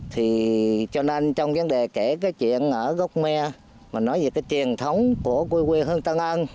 thì cho nên trong vấn đề kể cái chuyện ở gốc me mà nói về cái truyền thống của quê hương tân an